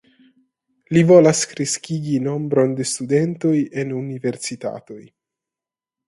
Li volas kreskigi nombron de studentoj en universitatoj.